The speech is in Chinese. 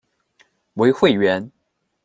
为会员。